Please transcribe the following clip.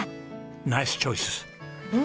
ナイスチョイスです！